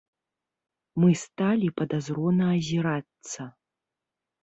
Мы сталі падазрона азірацца.